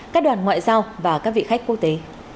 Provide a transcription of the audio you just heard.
các đoàn ngoại giao và các vị khách quốc tế